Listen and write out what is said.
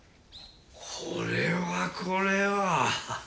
これはこれは。